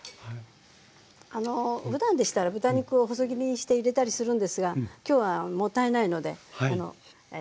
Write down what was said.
ふだんでしたら豚肉を細切りにして入れたりするんですが今日はもったいないのでまだまだだしが出ますから。